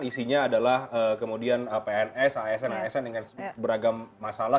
isinya adalah kemudian pns asn asn dengan beragam masalah